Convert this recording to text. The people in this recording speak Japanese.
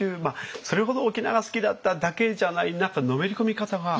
それほど沖縄が好きだっただけじゃない何かのめり込み方がすごいなと思って。